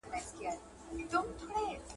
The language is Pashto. عزیز